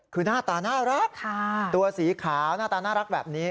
คือหน้าตาน่ารักตัวสีขาวหน้าตาน่ารักแบบนี้